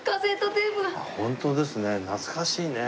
ホントですね懐かしいね。